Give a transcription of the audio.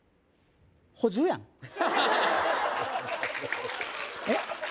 補充やんえっ